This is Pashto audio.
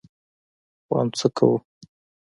ويم څه کوو.